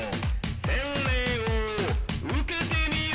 「洗礼を受けてみよ！」